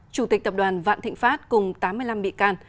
chủ tịch tập đoàn vạn thịnh pháp cùng tám mươi năm bị can